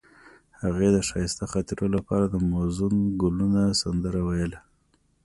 هغې د ښایسته خاطرو لپاره د موزون ګلونه سندره ویله.